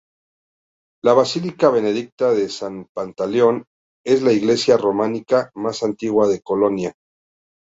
La basílica benedictina de San Pantaleón es la iglesia románica más antigua de Colonia.